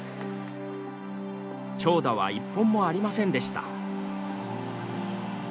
長打は一本もありませんでした。